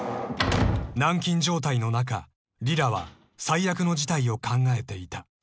［軟禁状態の中リラは最悪の事態を考えていた］